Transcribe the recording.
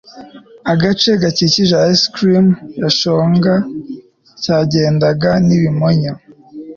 agace gakikije ice cream yashonga cyagendagendaga n'ibimonyo